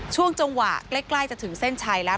ช่วงจังหวะใกล้จะถึงเส้นชัยแล้ว